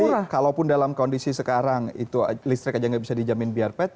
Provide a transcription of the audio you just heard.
tapi kalaupun dalam kondisi sekarang itu listrik aja nggak bisa dijamin biar pet